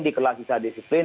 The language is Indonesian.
di kelas bisa disiplin